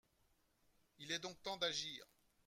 Il est donc temps d’agir